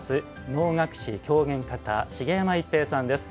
能楽師狂言方、茂山逸平さんです。